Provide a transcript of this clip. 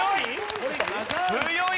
強い！